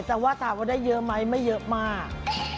แต่ว่าถามว่าได้เยอะไหมไม่เยอะมาก